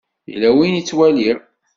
Yella win i ttwaliɣ.